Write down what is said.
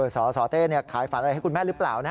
สสเต้ขายฝันอะไรให้คุณแม่หรือเปล่านะ